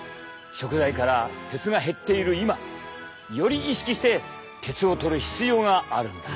食材から鉄が減っている今より意識して鉄をとる必要があるんだ。